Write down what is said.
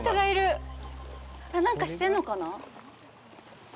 何かしてるのかな？